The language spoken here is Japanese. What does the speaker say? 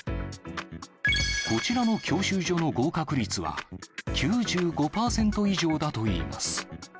こちらの教習所の合格率は、９５％以上だといいます。